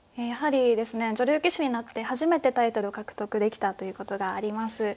やはりですね女流棋士になって初めてタイトルを獲得できたということがあります。